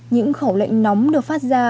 những khẩu lệnh nóng được phát ra